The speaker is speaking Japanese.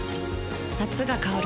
夏が香る